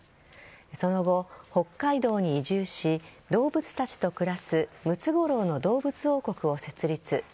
その後、北海道に移住し動物たちと暮らすムツゴロウの動物王国を設立。